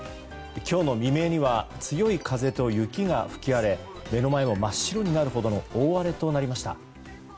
今日の未明には強い風と雪が吹き荒れ目の前が真っ白になるほどの大荒れとなりました。